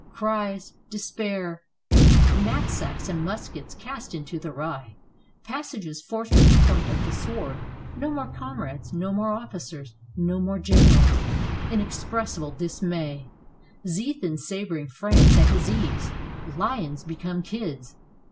Cries, despair; knapsacks and muskets cast into the rye; passages forced at the point of the sword; no more comrades, no more officers, no more generals; inexpres sible dismay. Ziethen sabering France at his ease. Lions become kids.